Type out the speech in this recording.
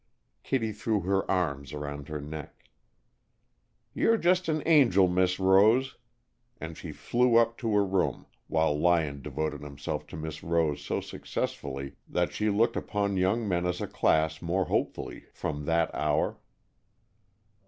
Kittie threw her arms around her neck. "You're just an angel. Miss Rose!" And she flew up to her room, while Lyon devoted himself to Miss Rose so successfully that she looked upon young men as a class more hopefully from that hour.